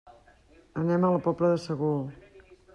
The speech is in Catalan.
Anem a la Pobla de Segur.